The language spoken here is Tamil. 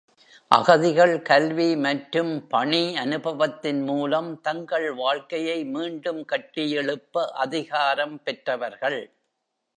அகதிகள் கல்வி மற்றும் பணி அனுபவத்தின் மூலம் தங்கள் வாழ்க்கையை மீண்டும் கட்டியெழுப்ப அதிகாரம் பெற்றவர்கள்.